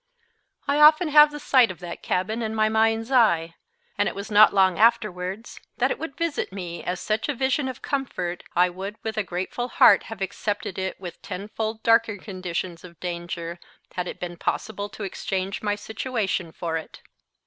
I often have the sight of that cabin in my mind's eye; and it was not long afterwards that it would visit me as such a vision of comfort, I would with a grateful heart have accepted it with tenfold darker conditions of danger, had it been possible to exchange my situation for it.